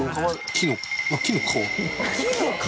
木の皮？